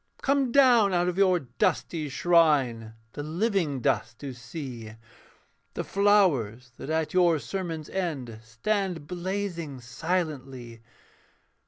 'Come down out of your dusty shrine The living dust to see, The flowers that at your sermon's end Stand blazing silently.